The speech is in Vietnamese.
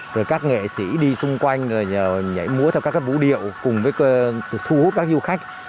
rồi các nghệ sĩ đi xung quanh nhờ nhảy múa theo các vũ điệu cùng với thu hút các du khách